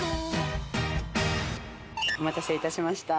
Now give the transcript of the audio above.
お待たせいたしました。